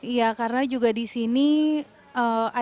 iya karena juga di sini ada